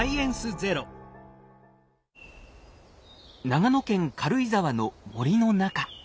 長野県軽井沢の森の中。